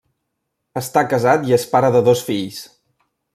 Està casat i és pare de dos fills.